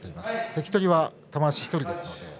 関取は玉鷲１人です。